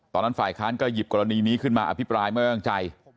ฝ่ายค้านก็หยิบกรณีนี้ขึ้นมาอภิปรายไม่วางใจ